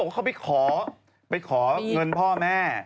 เขาไปขอไปขอเงินพ่อแม่